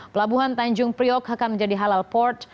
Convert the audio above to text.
pelabuhan tanjung priok akan menjadi halal port